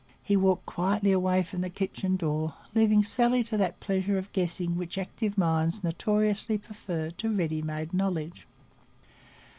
He walked quietly away from the kitchen door, leaving Sally to that pleasure of guessing which active minds notoriously prefer to ready made knowledge.